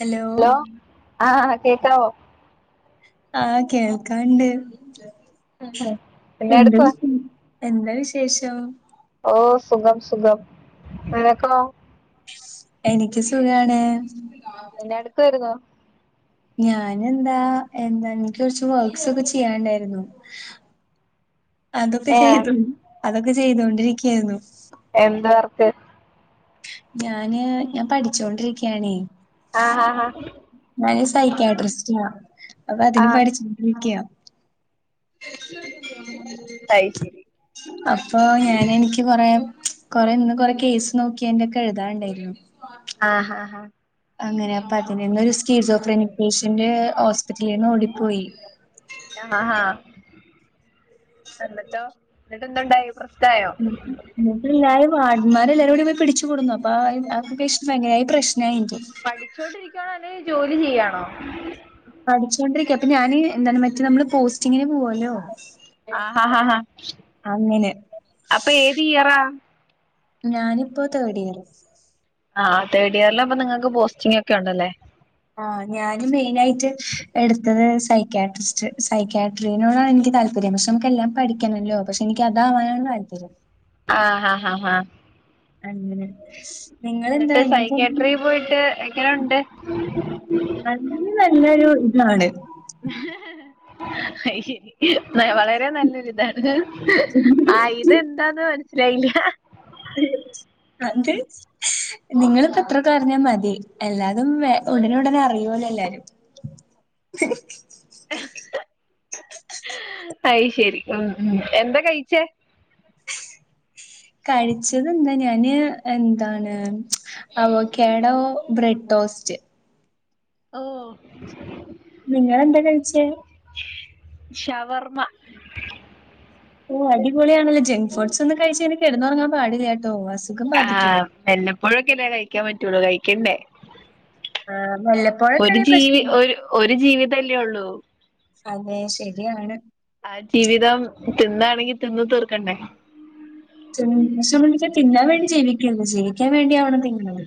Hello hello ആഹ കേക്കാവോ ആഹ് കേൾക്കാണ്ട് എന്നാ എന്തും എടുക്കുവാ എന്താ വിശേഷം ഓ സുഖം സുഖം നിനക്കോ എനിക്ക് സുഗമാണ്‌ എന്നാ എടുക്കായിരുന്നോ ഞാനെന്താ എന്താ എനിക്ക് കൊറച്ച് വർക്ക്സൊക്കെ ചെയ്യാണ്ടായിരുന്നു. അതൊക്കെ ഏ ചെയ്തു അതൊക്കെ ചെയ്തോണ്ടിരിക്കായിരുന്നു എന്ത് വർക്ക്? ഞാന് ഞാൻ പഠിച്ചോണ്ടിരിക്കാണേ ആഹ് ആഹ് ഞൻ സൈക്യാട്രിസ്റ്റാ അപ്പൊ അതിന് ആഹ് പഠിച്ചോണ്ടിരിക്കാ [inaudible] അയ് ശെരി അപ്പൊ ഞനെനിക്ക് കൊറെ. കൊറെ ഇന്ന് കൊറെ കേസ് നോക്കിയേന്റെക്കെ എഴുതാണ്ടായിരുന്നു. ആ ഹാ ഹ. അങ്ങനെ അപ്പ അതി നിന്നൊരു സ്ക്കീൽസ് ഓഫ് പേഷ്യന്റ് ഹോസ്പിറ്റലീന്ന് ഓടിപ്പോയി. ഹ ഹ ഹാ എന്നട്ടോ എന്നട്ടെന്തണ്ടായി പ്രശ്നായോ? ന്നിട്ട്ല്ലൊരും വാർഡന്മാരെല്ലാരും കൂടി പോയി പിടിച്ചു കൊടുന്നു അപ്പ ആ ആക്കേഷന് ഭയങ്കര പ്രശ്നായി ഇനിക്ക് പഠിച്ചോണ്ടിരിക്കുവാണോ അല്ലെങ്കിൽ ജോലി ചെയ്യാണോ? പഠിച്ചോണ്ടിരിക്കാ അപ്പൊ ഞാന് എന്താണ് മറ്റേ നമ്മള് പോസ്റ്റിങ്ങിന് പോവല്ലോ? ആഹ ഹാ ഹാ ഹാ അങ്ങനെ. അപ്പൊ ഏത് ഇയറാ? ഞാനിപ്പോ തേടിയറ്. ആ തേഡിയറിലാവുമ്പോ നിങ്ങക്ക് പോസ്റ്റിംങ്ങൊക്കെ ഉണ്ടല്ലേ? ആ ഞാന് മെയിനായിട്ട് എട്ത്തത് സൈക്യാട്രിസ്റ്റ് സൈക്യാ. ട്രീനോടാണ് എനിക്ക് താല്പര്യം പക്ഷെ നമുക്ക് എല്ലാം പഠിക്കണല്ലോ പക്ഷെ എനിക്കതാവാനാണ് താല്പര്യം. ആ ഹാ ഹാ ഹാ. അങ്ങനെ നിങ്ങളെന്താ എന്ന്ട്ട് നിങ്ങൾക്ക് സൈക്യാട്ടറി പോയിട്ട് എങ്ങനൊണ്ട്? നല്ല നല്ലൊരു ഇതാണ്. അയ്ശെരി വളരെ നല്ലൊരു ഇതാണ്. ആഹ് ഇതെന്താന്ന് മനസ്സിലായില്ല? അത് നിങ്ങളിപ്പോ ഇത്രൊക്കെ അറിഞ്ഞാ മതി. എല്ലാതും വെ ഉടനുടനെ അറിയോല്ലോ എല്ലാരും. അയ് ശെരി ഉം എന്ത കഴിച്ചേ? കഴിച്ചെതെന്താ ഞാന് എന്താണ്. Avocado bread toast. ഓ. നിങ്ങളെന്താ കഴിച്ചേ? ഷവർമ്മ. ഹോ അടിപൊളിയണല്ലോ ജംഗ് ഫുഡ്സൊന്നും കഴിച്ചങ്ങനെ കെടന്നുറങ്ങാൻ പാടില്ലാട്ടോ ആഹ് വല്ലപ്പോഴൊക്കെല്ലേ കഴിക്കാൻ പറ്റൊള്ളൂ കഴിക്കണ്ടേ. ആ ഒരു വല്ലപ്പോഴൊക്കെയാണെ ജീവി പ്രശ്നമില്ല ഒരു ഒരു ജീവിതല്ലേ ഒള്ളൂ. അതെ ശെരിയാണ്. ആ ജീവിതം തിന്നാണെങ്കി തിന്ന് തീർക്കണ്ടേ? എന്നെ സംബദ്ധിച്ച് തിന്നാ വേണ്ടി ജീവിക്കര്ത് ജീവിക്കാൻ വേണ്ടിയാവണം തിന്ന്ണത്.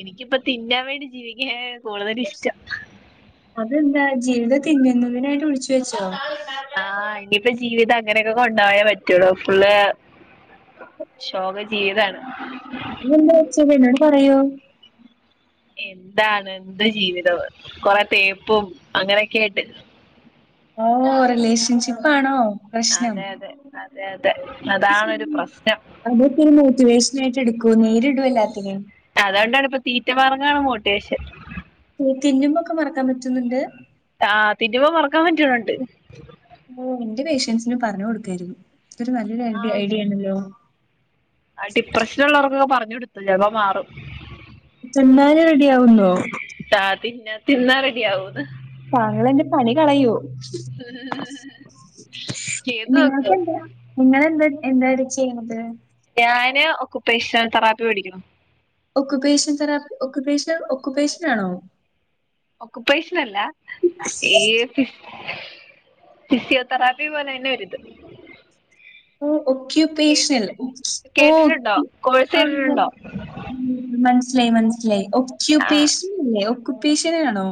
എനിക്കിപ്പോ തിന്നാൻ വേണ്ടി ജീവിക്കാനാണ് കൂടുതലിഷ്ടം. അതെന്താ ജീവിതൊക്കെ ഇങ്ങനെത്തനേയാണെന്ന് ഊഹിച്ചു വെച്ചോ? ആഹ് ഇനിയിപ്പോ ജീവിതം അങ്ങനെക്കെ കൊണ്ടു പോയാേ പറ്റൊള്ളൂ ഫുള്ള്. ശോക ജീവിതാണ്. ഇന്നെന്താ വെച്ചത് എന്നോട് പറയൂ. എന്താണ് എന്ത് ജീവിതം! കൊറെ തേപ്പും അങ്ങനെയൊക്കെയായിട്ട്. ഓ റിലേഷൻഷിപ്പാണോ? അതെ അതെ അതെ അതെ അതാണൊരു പ്രശ്നം. അതൊക്കൊരു മോട്ടിവേഷനായിട്ട് എടുക്കൂ നേരിടൂ എല്ലാത്തിനേം അതൊണ്ടാണ്പ്പൊ തീറ്റ മാർഗാണ് മോടിവേഷൻ. തിന്നുമ്പൊക്കെ മറക്കാൻ പറ്റുന്നുണ്ട് ആഹ് തിന്നുമ്പോ മറക്കാൻ പറ്റണുണ്ട് ഓ ന്റെ പേഷ്യൻസിനും പറഞ് കൊടുക്കെയിരുന്നു ഇതൊരു നല്ലൊരു ആ ഐഡിയ ഐഡിയ ആണല്ലോ ആ ഡിപ്രഷനുള്ളോർക്കൊക്കെ പറഞ്ഞു കൊടുക്ക് ചെലപ്പോ മാറും തിന്നാതെ റെഡിയാവുന്നോ? ആഹ് തിന്നാ തിന്നാതെ റെഡിയാവുന്ന് താങ്കളെന്റെ പണി കളയോ ചെയ്തു നോക്ക് നിങ്ങൾക്കെന്താ നിങ്ങെളെന്താ എന്താണ് ചെയ്യണത്? ഞാന് ഒകുപ്പേഷണൽ തെറാപ്പി പടി ക്ക് ണു - ഒക്കുപ്പേഷൻ തെറാപ്പി ഒകുപ്പേഷൻ ഒക്കുപ്പേഷനാണോ ഒക്കുപ്പേഷനല്ല ഈ ഫിസ് ഫിസിയോതെറാപ്പി പോലെന്നെ ഒരിത് ഓ ഓക്കയുപേഷണൽ കേട്ടിട്ട് ഓ കേട്ടിട്ടുണ്ടോ കോഴ്സ് മ്മ്ഹ് കേട്ടിട്ടുണ്ടോ മനസ്സിലായി മനസ്സിലായി ആ ഒക്യുപേഷനല്ലെ, ഒക്യുഷനാണോ?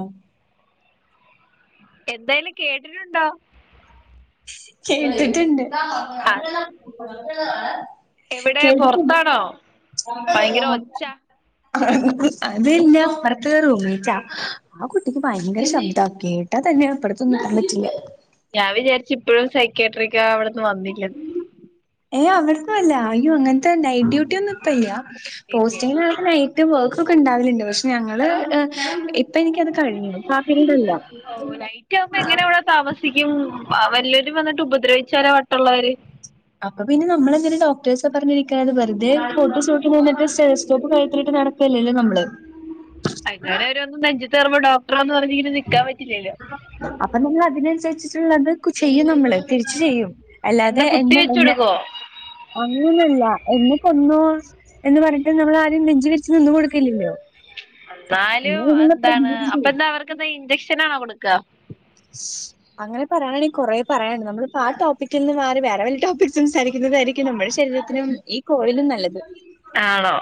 എപ്പഴേലും കേട്ടിട്ടുണ്ടോ? കേട്ടിട്ട്ണ്ട് എ വിടെ പൊറത്താണോ ഭയങ്കര ഒച്ച അതന്നെ അപ്പറത്ത് റൂംമേറ്റാ ആ കുട്ടിക്ക് ഭയങ്കര ശബ്ദാ കേട്ടാ തന്നെ അപ്പറത്തൊന്നും നിക്കാൻ പറ്റില്ല ഞാൻ വിചാരിച്ചു ഇപ്പോഴും സൈക്യാട്രിക്കാവ്ട്ന്ന് വന്നില്ലന്ന് ഏ അങ്ങനെത ല്ല അയ്യോ അങ്ങനത്തെ നൈറ്റ് ഡ്യൂട്ടി ഒന്നും ഇപ്പല്ല ഇല്ലേ പോസ്റ്റങ്ങ നൈറ്റ് വർക്കൊക്കെ ഉണ്ടാവല്ണ്ട് പക്ഷെ ഞങ്ങള് എ ഇപ്പ എനിക്കത് കഴിഞ്ഞു ഇപ്പാ ഫീൽഡില്ല ഓ നൈറ്റ് ആവുമ്പോ എങ്ങനെ അവിടെ താമസിക്കും വല്ലൊരും വന്ന് ഉപദ്രവിച്ചാലോ വട്ടുള്ളോര് അപ്പൊ പിന്നെ നമ്മളെങ്ങനെ ഡോക്ടെയ്സ പറഞ്ഞിരിക്കുന്നത് വെറുതെ കോട്ടും സൂട്ടും തന്നിട്ട് സ്റ്റേത് ചോപ്പ് കഴുത്തിലിട്ട് നടക്കല്ലല്ലോ നമ്മള് അങ്ങനെ ഓരോന്ന് നെഞ്ചത്ത് കേറുമ്പോ ഡോക്ടറാ പറഞ്ഞിങ്ങനെ നിക്കാൻ പറ്റില്ലല്ലോ അപ്പൊ നമ്മള് അതിനനുസരിച്ചിട്ടുള്ളത് ചെയ്യും നമ്മള് തിരിച്ച് ചെയ്യും എന്താ അല്ലാതെ കുത്തി എന്നും വെച്ച് എന്നെ കൊടുക്കോ അങ്ങനല്ല എന്നെക്കൊന്നു എന്ന് പറഞ്ഞിട്ട് നമ്മൾ ആരും നെഞ്ജ് വിരിച്ച് നിന്ന് കൊടുക്കില്ലല്ലോ നാലും അത് നമ്മളതിനുള്ള ന്താണ് പ്രതിവിധി അപ്പൊ എന്താ അവർക്കന്താ ഇഞ്ചക്ഷനാണോ കൊടുക്ക [inaudible] അങ്ങനെ പറയാണെങ്കിൽ കൊറേ പറയാനുണ്ട് നമ്മളിപ്പോ ആ ടോപ്പിക്കിന്ന് മാറി വേറെ വല്ല ടോപ്പിക്സും സംസാരിക്കുന്നതായിരിക്കും നമ്മുടെ ശരീരത്തിനും ഈ കോളിനും നല്ലത് ആണോ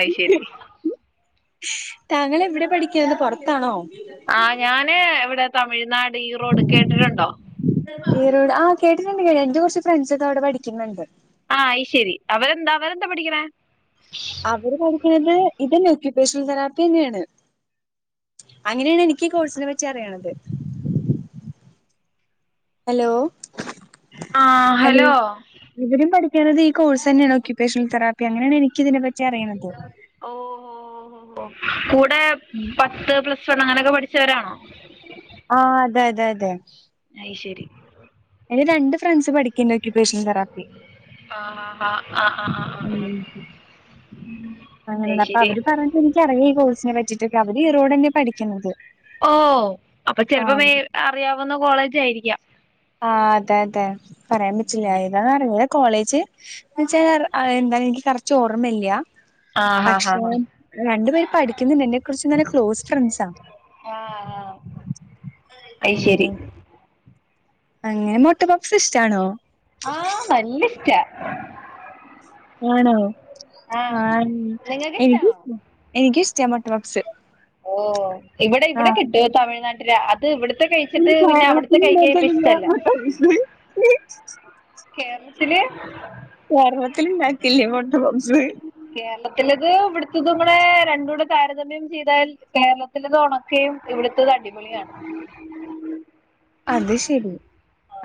അയ് ശരി താങ്കളെവിടെ പഠിക്കണത് പൊറത്താണോ ആഹ് ഞാന് ഇവിടെ തമിഴ്നാട് ഈ റോഡ് കേട്ടിട്ടുണ്ടോ ഈറോഡ് ആ കേട്ടിട്ടുണ്ട് കേട്ടി ന്റെ കുറച്ച് ഫ്രണ്ട്സ് ഒക്കെ അവിടെ പഠിക്കുന്നുണ്ട് ആഹ് അയ് ശരി അവരെന്താ അവരെന്താ പഠിക്കണ അവര് പഠിക്കണത് ഇതന്നെ ഒകു പേഷ്യണൽ തെറാപ്പി ന്നെയാണ് അങ്ങനെയാണ് എനിക്ക് ഈ കോഴ്സിനെ പറ്റി അറിയണത് ഹലോ ആഹ് ഹലോ ഇവരും പഠിക്കണത് ഈ കോഴ്സ് ന്നെയാണ് ഓക്യുപ്പേഷണൽ തെറാപ്പി അങ്ങനെയാണ് എനിക്ക് ഇതിനെ പറ്റി അറിയണത് ഓഹ് ഓ ഓ ഓ കൂടെ [inaudible] പത്ത് പ്ലസ് വൺ അങ്ങനെയൊക്കെ പഠിച്ചവരാണോ? ആഹ് അതെ അതെ അതെ അയ് ശരി എന്റെ രണ്ട് ഫ്രണ്ട്സ് പഠിക്കണ്ട് ഒക്യുപ്പേഷൻ തെറാപ്പി ആഹ് ആഹ് ആഹ് ആഹ് ആഹ് അങ്ങനെയ അപ്പൊ അയ്ശരി അവര് പറഞ്ഞ ക്കറിയാ ഈ കോഴ്സിനെ പറ്റിട്ടൊക്കെ അവര് ഇറോട് തന്നെ പഠിക്കുന്നത് ഓ അപ്പൊ ചെലപ്പോ വെ ആഹ് അറിയാവുന്ന കോളേജ് ആയിരിക്കാം. ആ അതെ അതെ പറയാൻ പറ്റില്ല ഏതാന്ന് അറിഞ്ഞല്ല കോളേജ് എന്ന വച്ചാൽ എന്താ എനിക്ക് കററ്റ് ഓർമ്മല്ല്യാ ആഹ് ആഹ് പക്ഷെ ആഹ് ആഹ് രണ്ടു പേര് പഠിക്കുന്നെണ്ട് ന്നെ കുറിച്ച് നല്ല ക്ലോസ് ഫ്രണ്ട്സാ. ആഹ് ആഹ് അങ്ങനെ അയ്ശരി. അങ്ങനെ മോട്ട പപ്പസ് ഇഷ്ടാണോ? വല്ലിഷ്ട്ടാ ആണോ ആഹ് നിങ്ങക്ക് എനിക്ക്ഷ ഇഷ്ടാണോ എനിക്കിഷ്ട്ടാ മൊട്ടപപ്പ്സ് ഓ ഇവിടെ ഇവിടെ കിട്ടുവ തമിഴ്നാട്ടില ഇത് ഇവിടുത്തെ നമ്മള് കഴിച്ചിട്ട് പിന്നെ അവിട് ത്തെ കഴിക്കാൻ കേരളത്തിലുണ്ടാക്കലില്ല ഇഷ്ടല്ല [unintelligible] കേരളത്തില് കേരളത്തിൽ ണ്ടാകെല്ലേ മുട്ട പപ്സ്‌ കേരളത്തിലത് ഇവ്ട്ത്തത് കൂടെ രണ്ടൂടെ താരതമ്യം ചെയ്താൽ കേരളത്തിലത് ഉണക്കയും ഇവിടുത്തത് അടിപൊളിയാണ്. അത് ശരി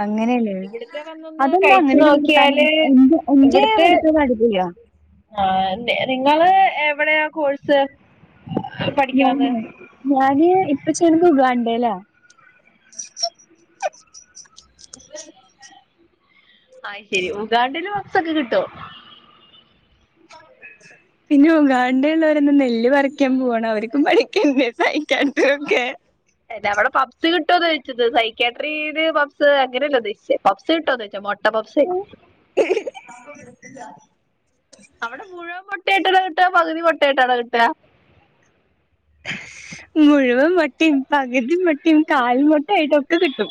അങ്ങനെല്ലേ ഇവിടുത്തെ വന്നൊന്ന് അതന്ന് [unintelligible] കഴിച്ചു അങ്ങനെക്കെ നിക്കാന് നോക്കിയാല് എൻജ് എൻജോയ് ചെയ്യാൻ ഇവട്ത്തോല് അടിപൊളിയാ ആഹ് നിങ്ങള് എവിടെയാ കോഴ്സ് പഠിക്കണത്. ഞാന് ഞാന് ഇപ്പ ചെയ്യണത് ഉഗാണ്ടേലാ അയ് ശേരി ഉഗാണ്ടേൽ പപ്പ്സ് ഒക്കെ കിട്ടോ [inaudible] പിന്നെ ഉഗാണ്ട ഉള്ളവരന്ന നെല് പറിക്കാൻ പോണാ, അവർക്കും പഠിക്കണ്ടേ സൈക്കാട്രി ഒക്കെ അല്ലെ അവടെ പബ്സ് കിട്ടോന്ന് ചോയിചത് സൈക്കാട്രിൽ പപ്സ് അങ്ങനെയല്ലോ ഉദേശിച്ചേ പഫ്‌സ് കിട്ടോ എന്ന് ചേ മട്ട മുട്ട പഫസ് അവടെ മുഴുവൻ മൊട്ടയിട്ടാടോ കിട്ടാ പകുതി മൊട്ടയിട്ടാണോ കിട്ട മുഴുവൻ മുട്ടയും പകുതിമുട്ടയും കാൽമുട്ടയൊടക്കെ ആയിട്ട് കിട്ടും.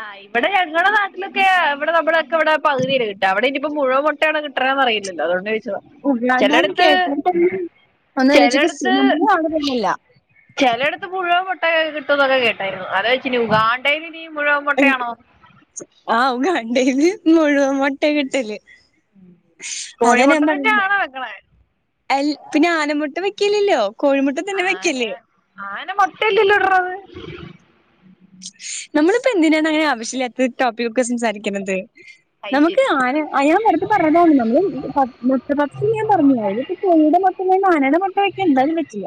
ആ ഇവ്ടെ ഞങ്ങടെ നാട്ടിലൊക്കെ ഇവിടെ നമ്മളൊക്കെ ഇവിടെ പകുതിയാ കിട്ടാ അവിടെ ഇനിയിപ്പോ മുഴുവൻ ട്ടാണ് കിട്ടതന്ന്റില്ലോ അതൊണ്ട് ചോദിച്ചത. ഉഗാണ്ടാന്ന് ചെലട്ത്ത് കേട്ടാൽ തന്നെ ഒന്നാലോചിച്ചോക്ക് ചെിലട്ത്ത് നമ്മുടെ അവിടെ തന്നെയല്ല ചിലയിടടുത്ത് മുഴുവൻമോട്ട കിട്ടും എന്നൊക്കെ കേട്ടായിരുന്നു. അത് ച്ച് ഇനി ഉഗാണ്ടേൽ ഇനി മുഴുവൻ മുട്ടയാണോ? ആ ഉഗാണ്ടേയില് മുഴുവൻ മൊട്ട കിട്ടല്. അതാ ഞാൻ കോഴിമുട്ട പറയ്ന്നെ. തന്നെയാണോ വെക്കണേ എല് പിന്നെ ആന മുട്ട വെക്കിലല്ലോ? ആന ആന മൊട്ടായല്ലല്ലോ ഇടണത് നമ്മളിപ്പോ എന്തിനാണ് അങ്ങനെ ആവശ്യമില്ലാത്ത ടോപ്പിക് ഒക്കെ സംസാരിക്കുന്നത്. അത് നമുക്ക് ശരി ആന അ ഞാൻ വേർതെ പറയതാണ് നമ്മള് മൊട്ടപപ്പ്സ് ഞാൻ പറഞ്ഞു ഇപ്പ കോഴിയുടെ അ ആനടെ മുട്ട വെക്കാ എന്തായാലും പറ്റില്ല.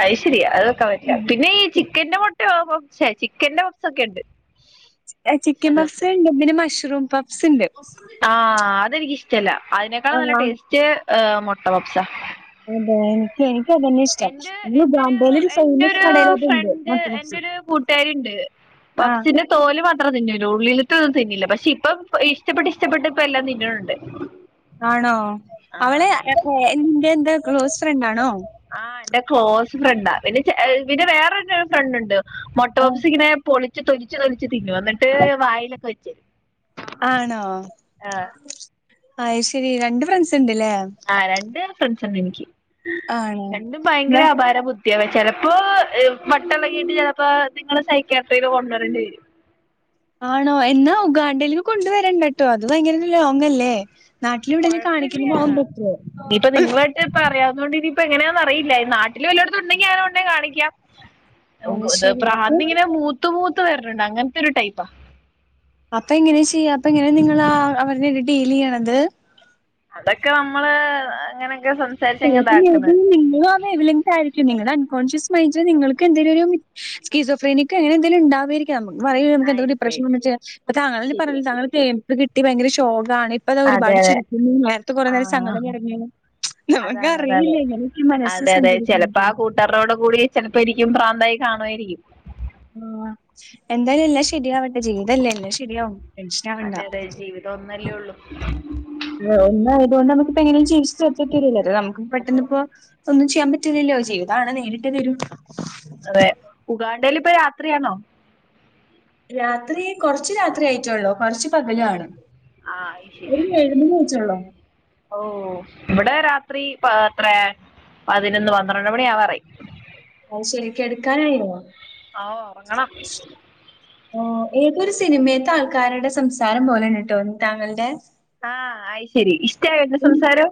അയ്ശരിയ അത് വെക്കാൻ പറ്റില്ല പിന്നെ നീ ചി ചിക്കന്റെ മുട്ടയൊ ചെ ചിക്കന്റെറെ പഫ്സോഒക്കെ ഉണ്ട് ചിക്കൻ അത് പഫ്സ് ഉണ്ട്, പിന്നെ മഷ്റൂം പഫ്സ് ഉണ്ട് ആഹ് അതെനിക്കിഷ്ട്ടല്ല. അതിനേക്കാളും നല്ല ആ ടേസ്റ്റ് മുട്ട പഫ്സ അതെ എനിക്ക് അത് തന്നെ ഇഷ്ടം. എന്റെ പിന്നെ എന്റൊരു ഉഗാണ്ടേൽ ഒരു ഫേമസ് എന്റൊരു കടെലത്ണ്ട് ഫ്രണ്ട് മുട്ട പപ്സ്‌ എന്റൊരു കൂട്ടുകാരിണ്ട് ആഹ് പപ്സിന്റെ തോല് മാത്രം തിന്നൂലൂ. ഉള്ളില്തോന്നും തിന്നില്ല പക്ഷെ ഇപ്പം ഇഷ്ടപ്പെട്ട് ഇഷ്ടപ്പെട്ട് ഇപ്പം എല്ലാം തിന്നുനുണ്ട്. ആണോ അവളെ എന്റെ എന്താ ക്ലോസ് ഫ്രണ്ട് ആണോ? ആഹ് എന്റെ ക്ലോസ് ഫ്രണ്ടാ. പിന്നെ ഏ പിന്നെ വേറരു ഫ്രണ്ട്ണ്ട്. ആഹ്. മൊട്ടപപ്പ്സിങ്ങനെ പൊളിച്ച് തൊലിച്ച് തൊലിച്ച് തിന്നുവ എന്നിട്ട് വായിലൊക്കെ വെച്ച ആണോ അയ്ശരി രണ്ട് ഫ്രണ്ട്സ് ഉണ്ട്ല്ലേ. ആ രണ്ട് ഫ്രണ്ട്സ്ണ്ട് എനിക്ക്. ആണോ? രണ്ടും ഭയങ്കര വെ അപാര ബുദ്ധി ത് ചിലപ്പോ വട്ടളകിട്ട് ചെലപ്പോ നിങ്ങള് സൈക്കേടറിയിൽ കൊണ്ടുവരണ്ടി വരും ആണോ? എന്നാ ഉഗാണ്ടേൽന്ന് കൊണ്ട് വരണ്ടട്ടോ, അത് ഭയങ്കര ലോങ് അല്ലേ? നാട്ടില ഇവിടെലും കാണിക്കുന്ന കൊഴപ്പില്ല പോകാൻ പറ്റോ? അ പറയാന്നെകൊണ്ട് ഇനിപ്പ എങ്ങനെയാന്ന് അറിയില്ല. നാട്ടില് വല്ല ഇടത്തണ്ടെങ്ങി ആരോണ്ടെ കാണിക്കാം അത് ശരി അപ്പൊ പ്രാന്ത്ഇങ്ങനെ മൂത്തു മൂത്ത് വരണ്ണ്ണ്ട് അങ്ങനത്തെ ഒരു ടൈപ്പാ അപ്പൊ എങ്ങനെ ചെയ്യാ? അപ്പ എങ്ങനെ നിങ്ങൾ അവര്നെ ടീൽചെയ്യണത്? അതൊക്കെ നമ്മള് അങ്ങനെക്കെ സം ചെലപ്പോ മെയ്ബീ നിങ്ങളും ആ വേവ് ലെങ്ത് ആയിരിക്കും നിങ്ങളുടെ അൺകോൺഷ്യസ് മൈൻഡില് നിങ്ങൾക്ക് എന്തെങ്കിലും ഒരു ഷീസോഫ്രീനിക്ക് അങ്ങനെ എന്തേലും ഇണ്ടവേര്ക്കും പറ നമുക്ക് എന്ത ആയിരിക്കും ഡിപ്രഷൻ ആയിരിക്കും വന്ന അപ്പ തങ്കൾന്ന ശരിയാ പറഞ്ഞില്ല താങ്കൾ ശരിയാ തേപ്പ് കിട്ടി ഭയങ്കരഷോക ആണ് ഇപ്പൊ ഇതാ അതെ ഒരുപാട് അതെ ചിരിക്കുന്നു നേരത്തെ കുറേ നേരം ആഹ് സംങ്കടം പറഞ്ഞ് അതാണ് അതാണ്. മനസ്സ് അതെ അതെ സഞ്ചരിക്കുന്നത്. ചെലപ്പോ ആ കൂട്ടർ ളോട് കൂടി ചെലപ്പോ ഇനിക്കും പ്രാന്തായി കാണുവായിരിക്കും ആ എന്തായാലും എല്ല ശരിയാവട്ടെ ജീവിതല്ലേ എല്ല ശെരിയാവും അതെ അതെ ജീവിതം ഒന്നല്ലേ ഉള്ളു? ഒന്നായതുകൊണ്ട് നമുക്ക്പ്പോ എങ്ങനും ചിച്ച് തത്തിട്ടല്ലേ നമുക്ക് പെട്ടന്ന്‌ ഇപ്പോ ഒന്നും ചെയ്യാൻ പറ്റില്ലല്ലോ ജീവിതണ് നേരിട്ട് തരും ള്ളു അതെ ഉഗാണ്ടൽ ഇപ്പൊ രാത്രിയാണോ? രാത്രി കൊറച്ച് രാത്രി ആയിട്ടോ ള്ളോ കുറച്ച് പകല ആണ് ആഹ് ഒരു ശരി മെഴു [unintelligible] ഓ ഇവിടെ രാത്രി എത്ര പതിനൊന്ന് പന്ത്രണ്ട് മണി ആവാറായി അയ് ശരിക്കെട്ക്കാനായൊ? ആ ഒറങ്ങണം ഏതൊരു സിനിമയത്തെ ആൾക്കാരുടെ സംസാരം പോലെ ണ്ട് ട്ടോ താങ്കൾടെ ആഹ് അയിശരി ഇഷ്ടയാ എന്റെ സംസാരം.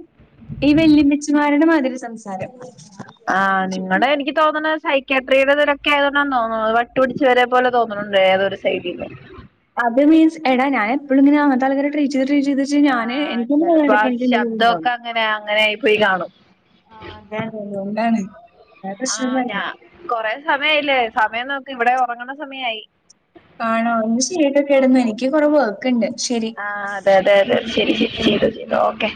ഈ വെല്ലിയമ്മിചിമാര്ടെ മാതിരി സംസാരം ആ നിങ്ങടെ എനിക്ക് തോന്നുന്നത് സൈക്കാട്രിയുടെതിലൊക്കെ ആയതൊണ്ടാണ് തോന്നുന്നു വട്ടു പിടിച്ച് വരെ പോലെ തോന്നുന്നു അങ്ങണ്ട് ഏതൊരു സൈഡില്ലേ അത് മിൻസ് എടാ ഞാൻ എപ്പോള് ഇങ്ങന അങ്ങത്തെ ആൾക്കാര ട്രീറ്റ് ചെയ്ത് ട്രീറ്റ് ചെയ്ത് പ ഞാന്ൻ ആഹ് എനിക്ക ചെലപ്പോ എന്തടക്ക ആ എനിക്ക് ശബ്ദമൊക്കെ എന്തണ്ടാവുന്നു [unintelligible] അങ്ങനെ അങ്ങനായി പോയി കാണും ആ അതതെ അതുണ്ടാണ് ആഹ ഞാ കൊറെ സമയയില്ലേ സമയം നോക്ക് ഇവിടെ ഒറങ്ങണ സമയായി ആണോ ഇന്നാ ശെരിട്ടൊ കെടന്നോ എനിക്ക് കൊറെ വർ ഒക്കണ്ട് ശരി ആ അതെ അതെ ഗുഡ് അതെ നൈറ്റ്. ശരി ശരി ചെയ്തോ ചെയ്തോ ഓക്കെ